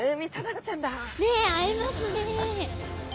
ねっ会えますね。